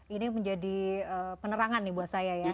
ini menjadi penerangan nih buat saya ya